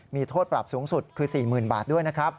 มีโทษปรับสูงสุดคือ๔๐๐๐บาทด้วยนะครับ